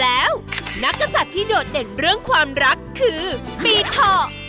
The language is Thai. แล้วนักกษัตริย์ที่โดดเด่นเรื่องความรักคือปีเถาะ